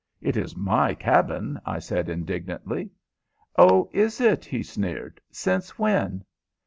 "It is my cabin," I said, indignantly. "Oh, is it?" he sneered. "Since when?"